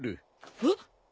えっ！？